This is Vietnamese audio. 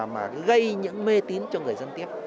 mà gây những mê tín cho người dân tiếp